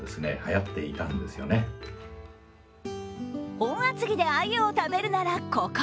本厚木であゆを食べるならここ。